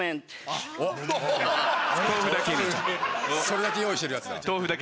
それだけ用意してるやつだ。